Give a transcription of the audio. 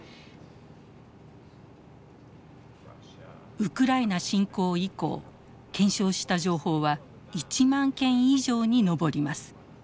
ウクライナ侵攻以降検証した情報は１万件以上に上ります。